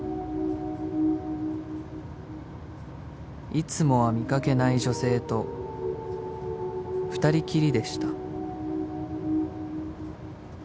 ［いつもは見掛けない女性と二人きりでした］